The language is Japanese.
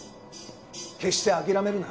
決して諦めるな。